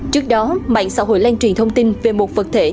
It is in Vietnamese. trước đó mạng xã hội lan truyền thông tin về một vật thể